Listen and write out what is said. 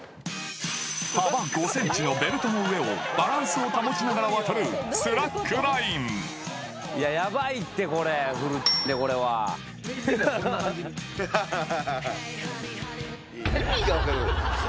幅５ｃｍのベルトの上をバランスを保ちながら渡るハハハ。